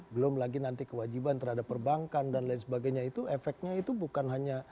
belum lagi nanti kewajiban terhadap perbankan dan lain sebagainya itu efeknya itu bukan hanya